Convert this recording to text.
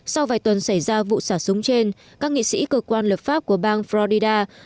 sau vài tuần xảy ra vụ xả súng trên các nghị sĩ cơ quan lập pháp của bang florida